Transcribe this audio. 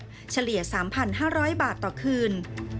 อยู่ชะเลีย๓๕๐๐บาทต่อคืน